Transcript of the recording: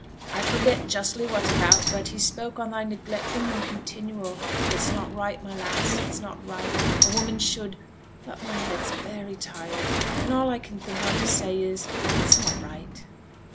'I forget justly what about, but he spoke on thy neglecting him continual. It's not right, my lass, it's not right; a woman should but my head's very tired, and all I can think on to say is, it's not right.'